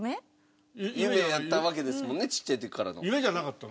夢やったわけですもんねちっちゃい時からの。夢じゃなかったの？